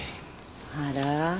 あら？